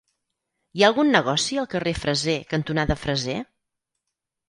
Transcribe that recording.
Hi ha algun negoci al carrer Freser cantonada Freser?